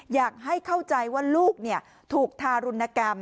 อยากให้เข้าใจว่าลูกถูกทารุณกรรม